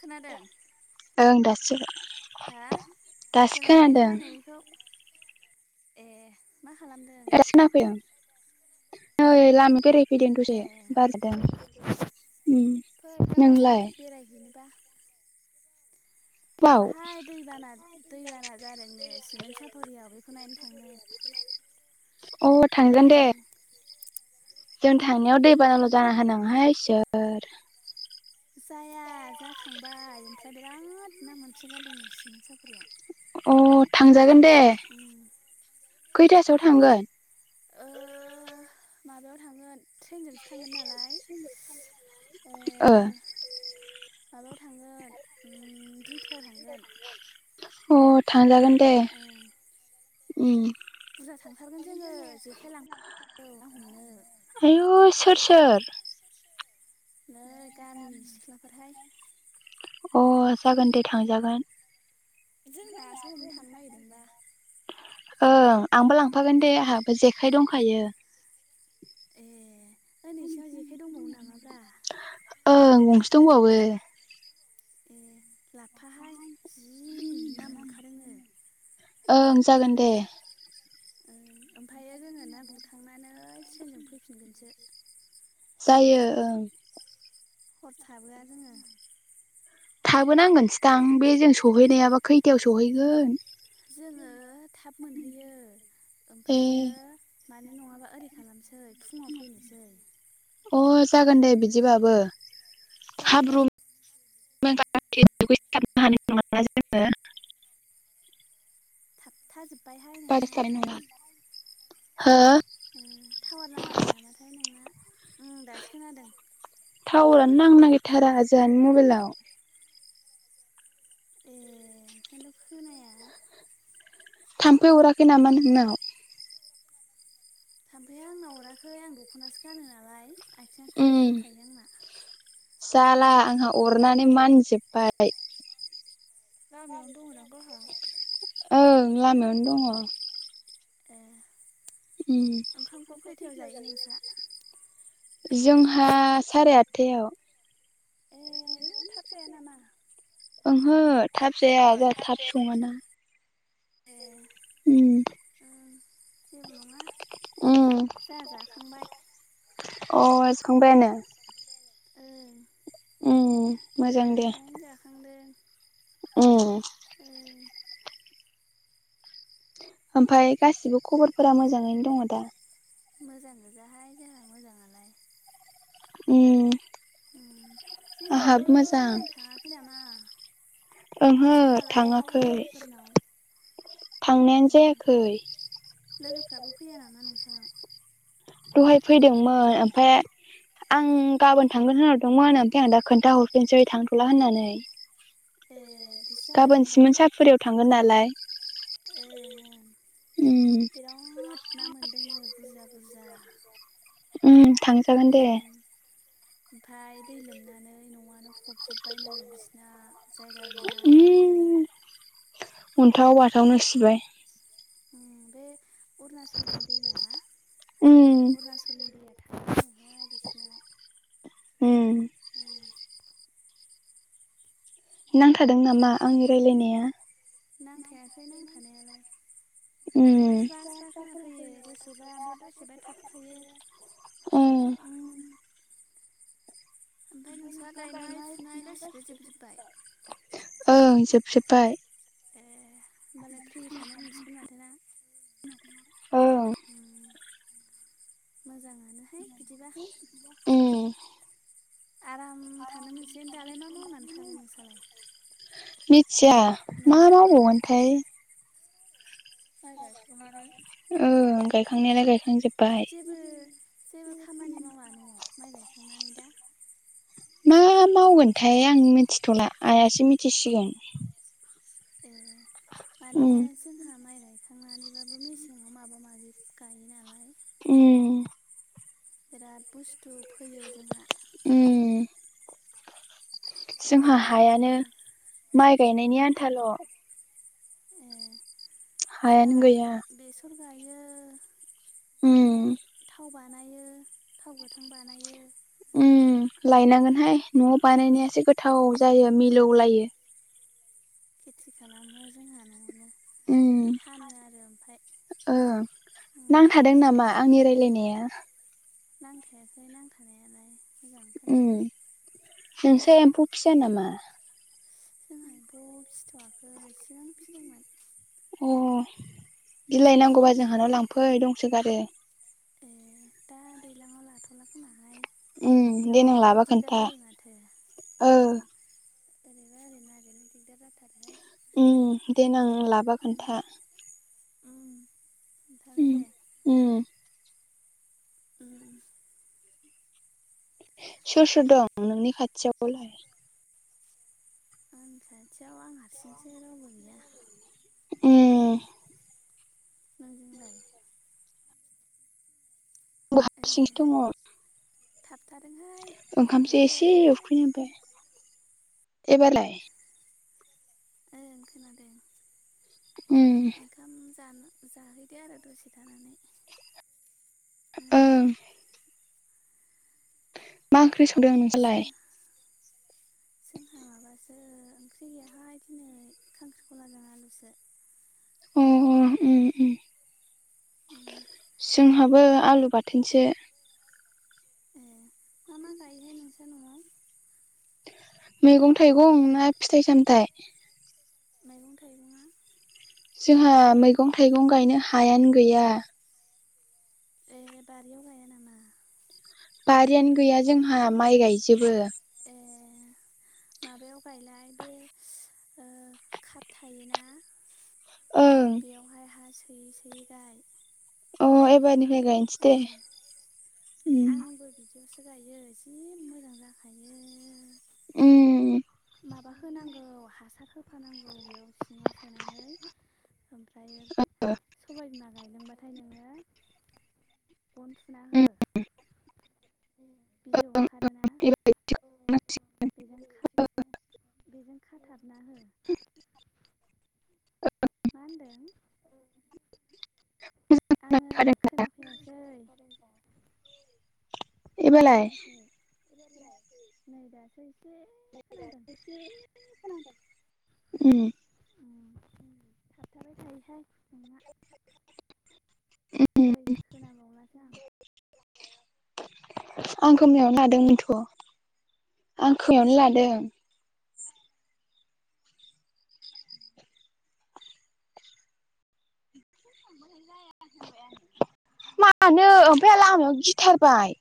खोनादों ओं दासो हा दासो खोनादों खोनायाखैहाय नोंनिखौ। ए मा खालामदों? [inaudible] फैदों ए दसे बार जादों उम फोर गाबोन नोंलाय? बेरायहैनोबा बाव माबाहाय दैबाना दैबाना जादोंनो सिमेन्ट साफरियाव बेखौ नायनो थांनो। अ थांगोन दे। ओं जों थांनायाव दैबानाल' जाना होनाङाहाय इसोर। जाया जाखांबाय ओमफ्राय बिराद ना मोनसोगारदों नो सिमेन साफरियाव अ थांजागोन दे उम खैथासोआव थांगोन? ओ माबायाव थांगोन ट्रेनजोंसो थांगोन नालाय ओ माबायाव थांगोन उम दुइथायाव थांगोन अ थांजागोन दे ओ उम बुरजा थांथारगोन जोङो जेखाइ लांनागौ ना हमनो आयु सोर सोर नै गामिनि सिख्लाफोरहाय अ जागोन दे थांजागोन जोंना सो हमनो थांनो नागिरदोंबा ओं आंबो लांफागोन दे आंहाबो जेखाइ दंखायो ए ओ नोंसिनाव जेखाइ दंबावो नामाब्रा? ओं गंसे दंबावो ए लाफाहाय जि ना मोनखादोंनो ओं जागोन दे ओम ओमफ्रायो जोङो ना गुरखांनानै ट्रेनजों फैफिनगोनसो जायो ओं हर थाबोआ जोङो थाबोनांगोनसोदां बे जों सहैनायाबा खैथायाव सहैगोन जोङो थाब मोनहैयो ए ओमफ्रायो मानो नङाबा ओरै खालामसै फुङाव फैनोसै अ जागोन दे बिदिबाबो जायो दा [unintelligible] हानाय नङा जोङो थाबथा जोबबाय हा [unintelligible] हो उम टावार नाङाखै नामाथाय नोंना ओं दासो खोनादों टावारानो नांनो नागिरथारा जोंहानि मबाइलाव ए ओंखायनोथ' खोनाया थाम्फै अराखै नामा नोंनाव? थाम्फैया आंनाव अराखै आं दख'नासो गानो नालाय आथिङा उम खोबजोबखायो आंना जाला ओं आंहा अरनानै मानजोबबाय लामायावनो दङ दां गावहा ओ लामायावनो दङ ए ओंखामखौ खैथायाव जायो नोंसा उम जोंहा साराय आठथायाव ए आयौ थाब जाया नामा? ओंहो थाब जाया हो जोंहा थाब सङाना जाया ए उम ओं जेबो नङा उम जा जाखांबाय अ जाखांबायानो ओ उम मोजां दुबायनो जाखांदों। ए ए। ओमफफ्राय गासिबो खबरफोरा मोजाङैनो दङ दा? मोजां गोजाहाय जोंहा मोजाङालाय। उम उम जेरावबो आहाबो मोजां बेरायनो थाङाखै नामा? ओंहो खाथि खालाफ्राव थाङाखै। लोगोफोरनाव थांनायानो ओ जायाखै। लोगोफ्राबो फैया नामा नोंसानाव? दहाय फैदोंमोन ओमफ्राय आं गाबोन थांगोन होनहरदोंमोन ओमफ्राय आं दा खोन्थााहरफिनसै थांथ'ला होननानै। ए। बिदिसो जाबाय गाबोन सिमोनसापुरियाव थांगोन नालाय ओ ओ उम बिराद ना मोनदोंनो बुरजा बुरजा। उम। थांजागोन उम दे ओमफ्राय दै लोमनानै न'आनो फबजोबबायनो बिसना। जायगा गैला थानो। उम अन्थाव बाथावनो सिबाय। उम बे अरुणाचल नि दैया उम अरुणाचल नि दैया [unintelligible] [inaudible] उम उम नांथारादों नामा आंनि रायलायनाया? नांथाखै नांथानायालाय। उम स्रा-स्रा खोनाफैयो दसेबा ओमफाय दसेबा थाब थायो। उम ओमफाय नोंसा गायनाय फुनाय गासिबो जोबजोब्बाय? ओं जोबजोब्बाय। ए होनोमबालाय फ्रि थानो मोनसिगोन माथोना? ओं उम मोजाङानोहाय बिदिबा। उम। आराम थानो मोनसिगोन दालाय मा मावनानै थागोन नोंसाालाय? मिथिया न'आव मा मावबावगोनथाय? माइ गायखां नानै ओं गायखांनायालाय गायखांजोबबाय। जेबो जेबो खामानि मावा न'आव माइ गायखांनानै दा? मा मावगोनथाय आं मिथिथ'ला आइयासो मिथिसिगोन। ए माने उम जोंहा माइ गायखां नानैबाबो मेसेङाव माबा माबि गायो नालाय उम बिराद बुस्थु फैयो जोंहा उम जोंहा बेसर हायानो गायो माइ गायनायनि आन्थाल'। ए जाआ हायानो गैया बेसर गायो। उम ओमफ्राय थाव बानायो थाव गोथां बानायो। उम लायनांगोनहाय न'आव ओ बानायनायासो गोथाव जायो मिलौलायो। खेथि खालामो जोंहा न'आवनो। उम फानो आरो ओमफ्राय ओ उम नांथादों नामा? आंनि रायजलायनाया नांथाखै नांथानायालाय मोजां खोनादों। फिसा नामा जोंहा फिथ'आखै इसेगां फिसिदोंमोन अ नोंस्रा बिलइनांगौबा फिदों जोंहानाव लांफै दंसोगारो ए दा दैज्लाङाव लाथ'ला खोमाहाय। उम देनां लाबा बेराथ दिगदार खोन्था जायो माथो ओ उम ओरैबा ओरै नागिरनो दिगदार जाथारोहाय देनां लाबा उम खोन्था उम थागोन दे उ ओ सोर सोर दं नोंनि खाथियाव लाय खाथियाव आं हारसिंसो रावबो गैया उम ओ नोंजोंलाय आंबो ए हारसिंसो दं थाबथादोंहाय ओंखाम मोजाङै एसे रायलायलाय उखैनांबाय एबारलाय ओ खोनादों उम ओंखाम जानो जाहैदो आरो दसे थानानै ओं मा ओंख्रि संदों नोंसोरलाय सोलाय जोंहा माबासो ओंख्रि गैयाहाय दिनै खांख्रिखौलाजों आलुसो ओ ओ उम जोंहाबो आलु बाथोनसो ए मा मा गायोहाय नोंस्रा न'आव मैगं थाइगं ना फिथाइ सामथायाइ मैगं थाइगङा जोंहा मैगं थाइगं गायनो हायानो गैया ए बारियाव गाया नामा बारियानो गैया जोंहा माइ गायजोबो ए माबायाव गायलाय बे ओ काप थायोना ओं बेयावहाय हा सोयै सोयै गाय अ एबारनिफ्राय गाय ए आंबो बिदि बेयावसो गायो जि मोजां जाखायो उ माबा होनांगौ हासार होफानांगौ बेयाव सिङाव सोनानै ओमफ्रायो सबाय बिमा गायदोंबाथाय नोङो गन थुना हो [inaudible] बिजौ ओंखारोना बेजों बेजों खाथाबना हो औ मा होनदों आङो खोनाफैयासै एबारलाय खोनायाखै बेलाय नै दासै नै दा से खोनादों उ थाबथाबाय थायोहाय नोंना । नै खोनाबावलासो आं। आं खोमायावनो लादोंमोनथ' आं खोमायावनो लादों। मानो ओमफाय आं लामायाव गिथारबाय।